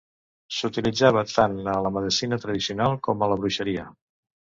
S'utilitzava tant a la medicina tradicional com a la bruixeria.